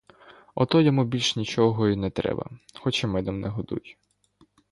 Ото йому більш нічого й не треба, хоч і медом не годуй.